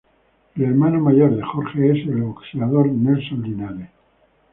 El hermano mayor de Jorge es el boxeador Nelson Linares.